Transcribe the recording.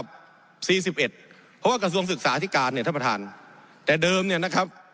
เพราะว่ากระทรวงศึกษาที่การเนี่ยท่านประธานแต่เดิมเนี่ยนะครับ